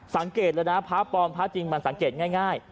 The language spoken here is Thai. สังเกตแล้วนะภาพปลอมภาพจริงมันสังเกตง่าย